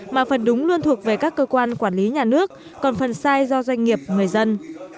mà phần đúng luôn thuộc về các cơ quan quản lý nhà nước còn phần sai do doanh nghiệp người dân